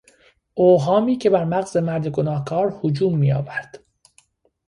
اوهامی که بر مغز مرد گناهکار هجوم میآورد